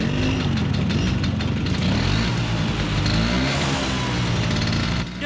ayo ajak suamudin